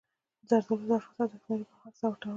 زردالو د افغانستان د تکنالوژۍ پرمختګ سره تړاو لري.